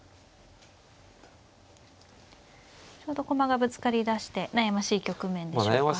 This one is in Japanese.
ちょうど駒がぶつかりだして悩ましい局面でしょうか。